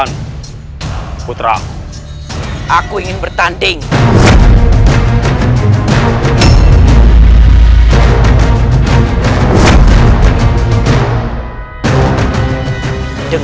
untuk rai surawisasa